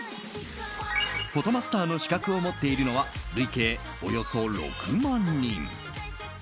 フォトマスターの資格を持っているのは累計およそ６万人。